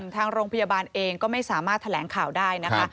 ทางโรงพยาบาลเองก็ไม่สามารถแถลงข่าวได้นะคะ